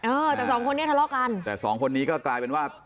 เออแต่สองคนนี้ทะเลาะกันแต่สองคนนี้ก็กลายเป็นว่า